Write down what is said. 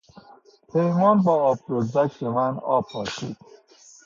پیمان با آب دزدک به من آب پاشید.